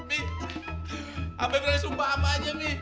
mi abang berani sumpah ama aja mi